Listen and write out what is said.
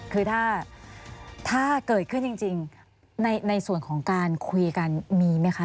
คือถ้าเกิดขึ้นจริงในส่วนของการคุยกันมีไหมคะ